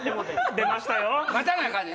出ましたよ！